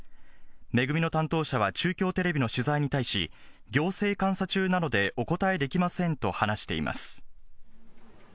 恵の担当者は中京テレビの取材に対し、行政監査中なのでお答えできませんと話しています。